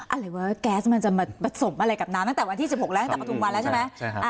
อะไรวะแก๊สมันจะมาผสมอะไรกับน้ำตั้งแต่วันที่๑๖แล้วตั้งแต่ปฐุมวันแล้วใช่ไหม